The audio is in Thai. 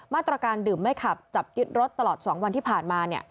มาตรการดื่มไม่ขับจับยึดรถตลอด๒วันที่ผ่านมา